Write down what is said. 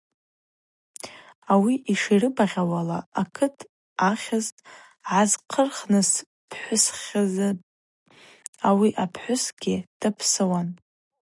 Ауи йширыбагъьауала, акыт ахьыз гӏазхъырхыз пхӏвысхьызпӏ, ауи апхӏвысгьи дапсыуан.